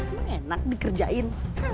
emang enak dikerjain